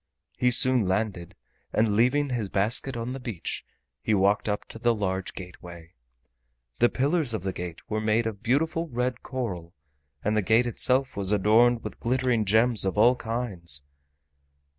He soon landed, and leaving his basket on the beach, he walked up to the large gateway. The pillars of the gate were made of beautiful red coral, and the gate itself was adorned with glittering gems of all kinds.